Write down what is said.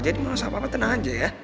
jadi nggak usah papa tenang aja ya